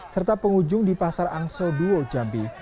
serta pengunjung di pasar angso duo jambi